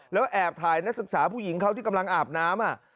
แล้วแอบถ่ายนักศึกษาผู้หญิงเขาที่กำลังอาบน้ำ